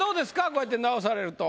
こうやって直されると。